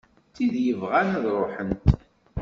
D tid yebɣan ad ruḥent.